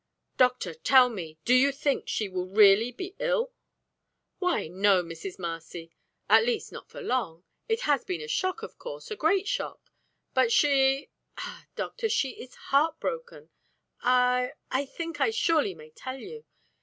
"Doctor, tell me; do you think she will really be ill?" "Why no, Mrs. Marcy; at least not for long. It has been a shock, of course; a great shock. But she " "Ah, doctor, she is heart broken. I I think I surely may tell you.